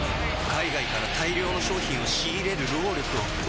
海外から大量の商品を仕入れる労力を。